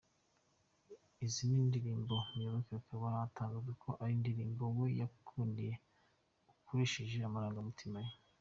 Izi nidirmbo Muyoboke akaba atangaza ko ari indirimbo we yikundiye akurikije amarangamutima ye.